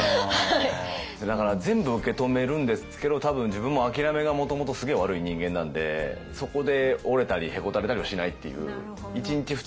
だから全部受け止めるんですけど多分自分もあきらめがもともとすげえ悪い人間なんでそこで折れたりへこたれたりはしないっていう。